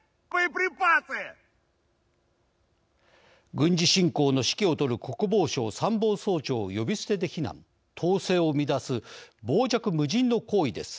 軍事侵攻の指揮をとる国防相、参謀総長を呼び捨てで非難統制を乱す傍若無人の行為です。